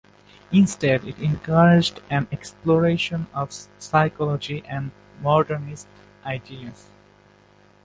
Instead, it encouraged an exploration of psychology and of modernist ideas.